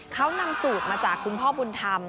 เขานำสูตรมาจากคุณพ่อบุญธรรม